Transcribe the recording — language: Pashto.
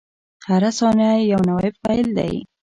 • هره ثانیه یو نوی پیل دی.